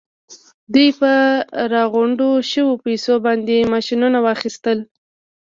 دوی په راغونډو شويو پیسو باندې ماشينونه واخيستل.